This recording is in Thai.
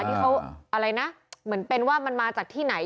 ที่เขาอะไรนะเหมือนเป็นว่ามันมาจากที่ไหน